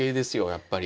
やっぱり。